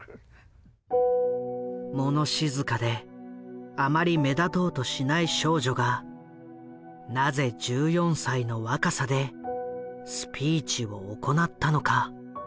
物静かであまり目立とうとしない少女がなぜ１４歳の若さでスピーチを行ったのか。